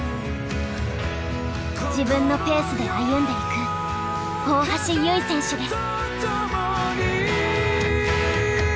自分のペースで歩んでいく大橋悠依選手です。